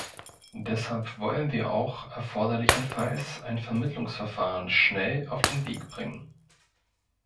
Deshalb wollen wir auch erforderlichenfalls ein Vermittlungsverfahren schnell auf den Weg bringen.